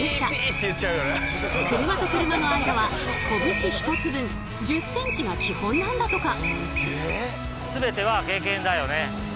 車と車の間は拳ひとつ分１０ｃｍが基本なんだとか。